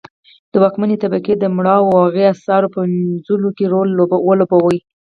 د واکمنې طبقې د مړولو او هي اثارو پنځولو کې رول ولوباوه.